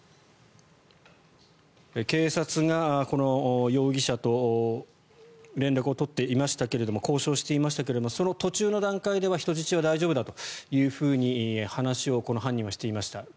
警察が容疑者と連絡を取っていましたけれど交渉していましたがその途中の段階では人質は大丈夫だというふうに話をこの犯人はしていました。